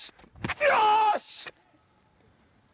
よし！